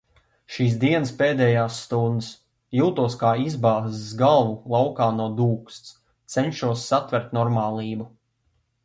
Šīs dienas pēdējās stundas. Jūtos kā izbāzis galvu laukā no dūksts. Cenšos satvert normālību.